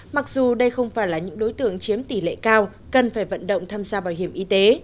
mặc dù đây không phải là những đối tượng chiếm tỷ lệ cao cần phải vận động tham gia bảo hiểm y tế